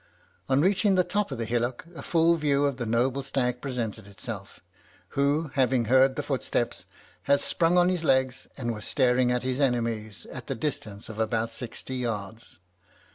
On reaching the top of the hillock, a full view of the noble stag presented itself, who, having heard the footsteps, had sprung on his legs, and was staring at his enemies, at the distance of about sixty yards.